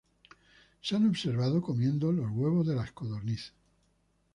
Se han observado comiendo los huevos de la codorniz.